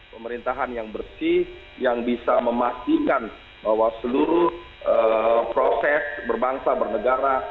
pemerintahan yang bersih yang bisa memastikan bahwa seluruh proses berbangsa bernegara